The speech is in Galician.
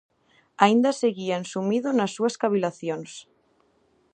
Aínda seguía ensumido nas súas cavilacións.